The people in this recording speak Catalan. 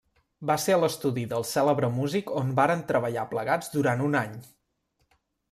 Va ser a l'estudi del cèlebre músic on varen treballar plegats durant un any.